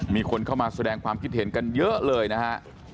มีคนเข้ามาแสดงความคิดเห็นกันเยอะเลยนะฮะ